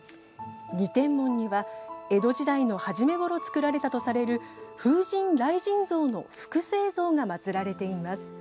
二天門には江戸時代の初めごろ作られたとされる風神雷神像の複製像がまつられています。